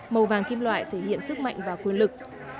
màu vàng kim loại thể hiện sức mạnh và quyền lực